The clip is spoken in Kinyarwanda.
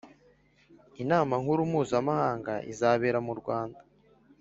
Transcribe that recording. inama nkuru mpuza mahanga izabera mu Rwanda